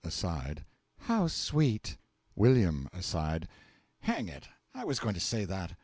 M. (Aside.) How sweet! W. (Aside.) Hang it, I was going to say that!